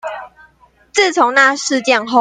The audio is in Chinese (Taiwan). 自從那事件後